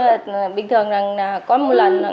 nha chú thay cho nha